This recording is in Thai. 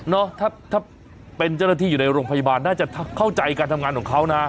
ถ้าเป็นเจ้าหน้าที่อยู่ในโรงพยาบาลน่าจะเข้าใจการทำงานของเขานะ